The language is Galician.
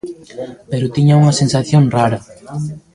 Pero tiña unha sensación rara.